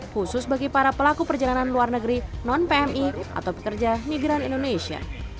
khusus bagi para pelaku perjalanan luar negeri non pmi atau pekerja migran indonesia